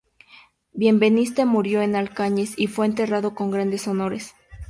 Benveniste murió en Alcañiz y fue enterrado con grandes honores.